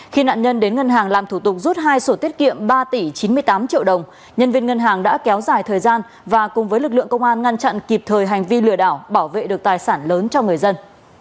khi nạn nhân đến ngân hàng làm thủ tục rút hai sổ tiết kiệm ba tỷ chín mươi tám triệu đồng nhân viên ngân hàng đã kéo dài thời gian và cùng với lực lượng công an ngăn chặn kịp thời hành vi lừa đảo bảo vệ được tài sản lớn cho người dân